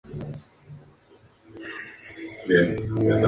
La actual subsecretaria de Prevención del Delito es Katherine Martorell.